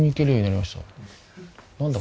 何だ？